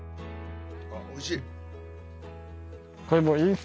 あっおいしい。